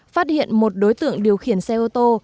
phát hiện một đối tượng điều khiển xe ô tô